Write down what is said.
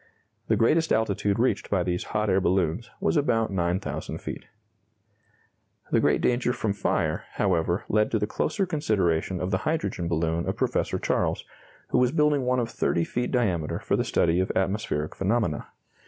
The greatest altitude reached by these hot air balloons was about 9,000 feet. [Illustration: Pilatre de Rozier's balloon.] The great danger from fire, however, led to the closer consideration of the hydrogen balloon of Professor Charles, who was building one of 30 feet diameter for the study of atmospheric phenomena.